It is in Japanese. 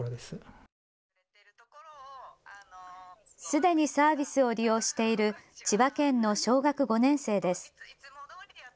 すでにサービスを利用している千葉県の小学５年生です。